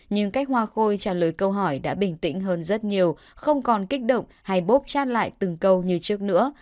nhưng cách hoa khôi trả lời câu hỏi đã bình tĩnh hơn rất nhiều không còn kích động hay bốp chat lại từng câu như trước nữa